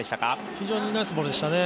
非常にナイスボールでしたね。